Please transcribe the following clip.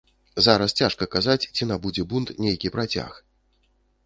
Зараз цяжка казаць, ці набудзе бунт нейкі працяг.